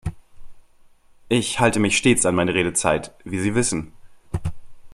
Ich halte mich stets an meine Redezeit, wie Sie wissen.